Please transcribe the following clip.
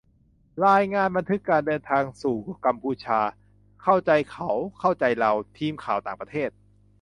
รายงาน : บันทึกการเดินทางสู่กัมพูชา เข้าใจเขา-เข้าใจเรา : ทีมข่าวต่างประเทศ